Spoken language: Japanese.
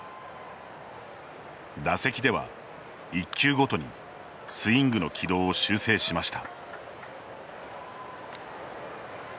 打席では、１球ごとにスイングの軌道を修正しました。